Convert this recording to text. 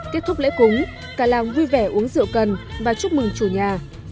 kết thúc lễ cúng cả làng vui vẻ uống rượu cần và chúc mừng chủ nhà